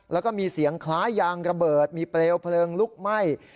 แล้วก็มีเสียงคล้ายยางระเบิดมีเปลวเพลิงลุกไหม้